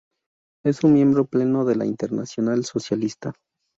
Es un miembro pleno de la Internacional Socialista.